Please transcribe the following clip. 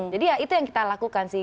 jadi ya itu yang kita lakukan sih